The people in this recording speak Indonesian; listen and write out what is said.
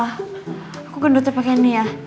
aku gendutnya pakai ini ya